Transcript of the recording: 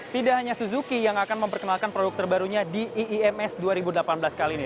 tidak hanya suzuki yang akan memperkenalkan produk terbarunya di iims dua ribu delapan belas kali ini